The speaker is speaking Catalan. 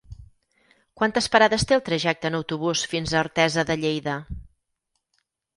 Quantes parades té el trajecte en autobús fins a Artesa de Lleida?